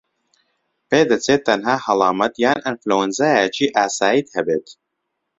پێدەچێت تەنها هەڵامەت یان ئەنفلەوەنزایەکی ئاساییت هەبێت